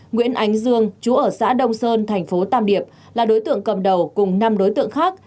nguyễn ánh dương chú ở xã đông sơn thành phố tam điệp là đối tượng cầm đầu cùng năm đối tượng khác